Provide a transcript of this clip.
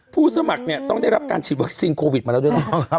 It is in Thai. ผู้สมัครเนี่ยต้องได้รับการฉีดวัคซีนโควิดมาแล้วด้วยนะ